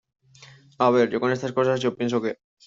a ver, yo con estas cosas , yo pienso que